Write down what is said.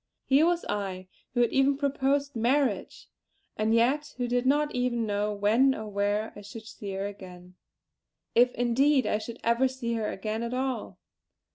Here was I, who had even proposed marriage; and yet who did not even know when or where I should see her again if indeed I should ever see her again at all.